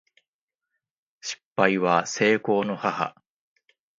失敗は成功の母